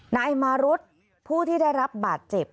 นายมารุธผู้ที่ได้รับบาดเจ็บ